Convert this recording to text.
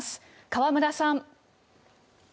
河村さん。